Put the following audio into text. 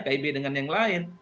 kib dengan yang lain